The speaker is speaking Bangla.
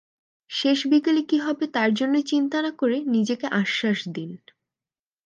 শেষ বিকেলে কী হবে তার জন্য চিন্তা না করে নিজেকে আশ্বাস দিন।